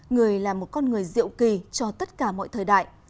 người là một con người diệu kỳ cho tất cả mọi thời đại